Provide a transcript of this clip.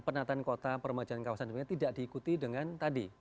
pernatan kota permajuan kawasan tidak diikuti dengan tadi